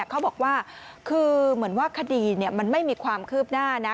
เขาบอกว่าคือเหมือนว่าคดีมันไม่มีความคืบหน้านะ